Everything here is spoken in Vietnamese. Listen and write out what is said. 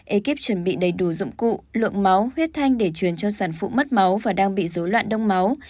ekip chuẩn bị đầy đủ dụng cụ lượng máu huyết thanh để truyền cho sản phụ mất máu và đang bị dối loạn đông máu